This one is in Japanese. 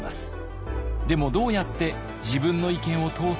でもどうやって自分の意見を通す？